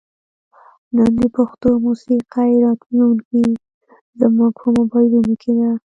نن د پښتو موسیقۍ راتلونکې زموږ په موبایلونو کې ده.